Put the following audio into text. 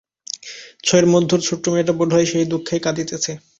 ছই-এর মধ্যের ছোট্ট মেয়েটা বোধ হয় সেই দুঃখেই কাঁদিতেছে।